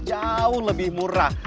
jauh lebih murah